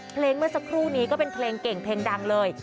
เมื่อสักครู่นี้ก็เป็นเพลงเก่งเพลงดังเลย